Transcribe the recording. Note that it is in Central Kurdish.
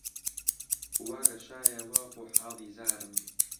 وا گەشایەوە بۆ حاڵی زارم